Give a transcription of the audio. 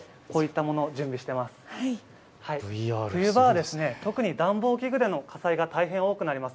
冬場は特に暖房器具での火災が大変、多くなっています。